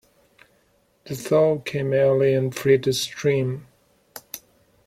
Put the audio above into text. The thaw came early and freed the stream.